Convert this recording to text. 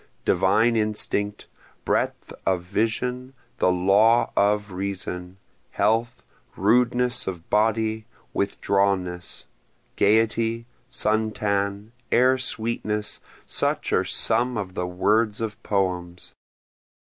Divine instinct, breadth of vision, the law of reason, health, rudeness of body, withdrawnness, Gayety, sun tan, air sweetness, such are some of the words of poems.